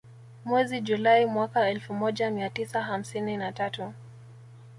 Mwezi Julai mwaka elfu moja mia tisa hamsini na tatu